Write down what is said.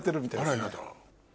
あらやだ。